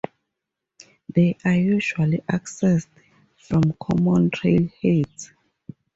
They are usually accessed from common trailheads.